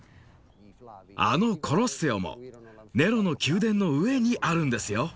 あのコロッセオもネロの宮殿の上にあるんですよ。